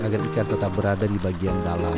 agar ikan tetap berada di bagian dalam